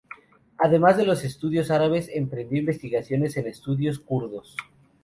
Además de los estudios árabes, emprendió investigaciones en estudios kurdos.